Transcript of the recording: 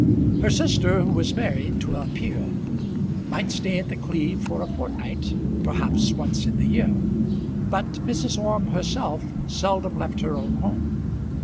Her sister, who was married to a peer, might stay at The Cleeve for a fortnight, perhaps once in the year; but Mrs. Orme herself seldom left her own home.